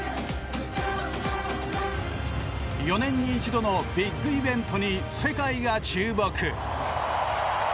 ４年に一度のビッグイベントに世界が注目。